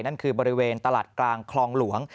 นั่นคือบริเวณตลาดกลางคลองหลวง